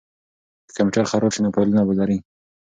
که کمپیوټر خراب شي نو فایلونه به لرئ.